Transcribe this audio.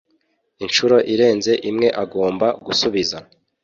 inshuro irenze imwe agomba gusubiza